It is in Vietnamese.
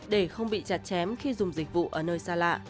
để không bị chặt chém khi dùng dịch vụ ở nơi xa lạ